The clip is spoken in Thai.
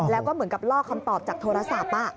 แล้วก็เหมือนกับลอกคำตอบจากโทรศัพท์